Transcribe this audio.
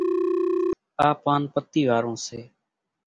آ پانَ پتِي وارون سي۔